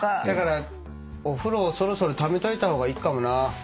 だからお風呂そろそろためといた方がいいかもな。